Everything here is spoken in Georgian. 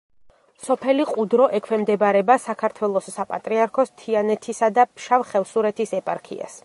სოფელი ყუდრო ექვემდებარება საქართველოს საპატრიარქოს თიანეთისა და ფშავ-ხევსურეთის ეპარქიას.